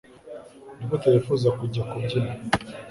Nigute wifuza kujya kubyina?